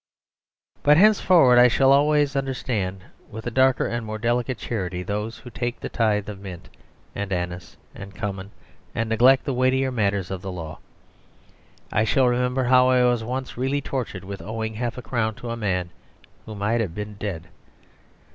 But henceforward I shall always understand with a darker and more delicate charity those who take tythe of mint, and anise, and cumin, and neglect the weightier matters of the law; I shall remember how I was once really tortured with owing half a crown to a man who might have been dead.